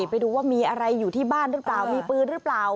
ไปดูว่ามีอะไรอยู่ที่บ้านหรือเปล่ามีปืนหรือเปล่า